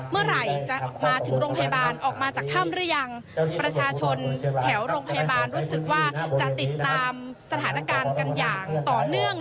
เมื่อไหร่จะมาถึงโรงพยาบาลออกมาจากถ้ำหรือยังประชาชนแถวโรงพยาบาลรู้สึกว่าจะติดตามสถานการณ์กันอย่างต่อเนื่อง